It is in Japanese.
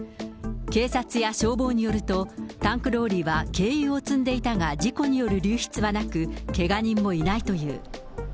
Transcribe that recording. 警察や消防によるとタンクローリーは軽油を積んでいたが、事故による流出はなく、けが人もいないという。